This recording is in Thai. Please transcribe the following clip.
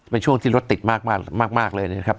เป็นช่วงที่รถติดมากเลยนะครับ